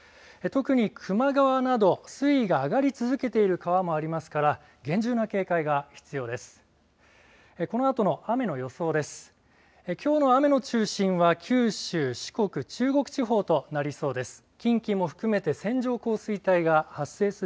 特に球磨川など、水位が上がり続けている川もありますから、厳重な警戒が必要です。